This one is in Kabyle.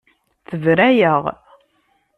Tebra-yaɣ.